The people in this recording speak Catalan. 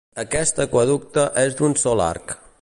Aquest aqüeducte és d'un sol arc.